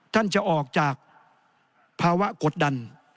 ท่านจะออกจากภาวะกดดัน